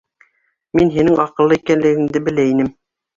Мин һинең аҡыллы икәнлегеңде белә инем.